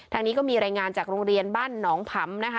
ทางนี้ก็มีรายงานจากโรงเรียนบ้านหนองผำนะคะ